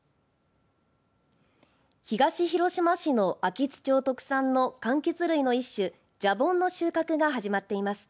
東広島市の安芸津町特産のかんきつ類の一種じゃぼんの収穫が始まっています。